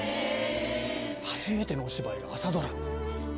初めてのお芝居が朝ドラ？